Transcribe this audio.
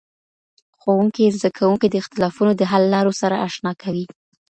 ښوونکی زدهکوونکي د اختلافونو د حللارو سره اشنا کوي.